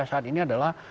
saat ini adalah